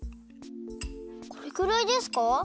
これくらいですか？